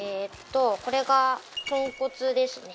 これが豚骨ですね。